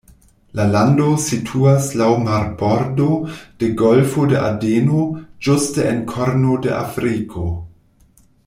La lando situas laŭ marbordo de golfo de Adeno, ĝuste en korno de Afriko.